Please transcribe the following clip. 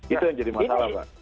itu yang jadi masalah pak